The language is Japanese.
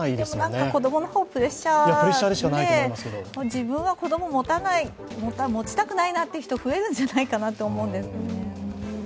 なんか子供の方はプレッシャーで自分は子供を持ちたくないなという人、増えるんじゃないかと思いますね。